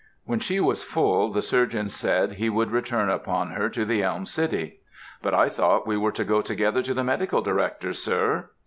When she was full, the surgeon said he should return upon her to the Elm City, "But I thought we were to go together to the Medical Director, sir!"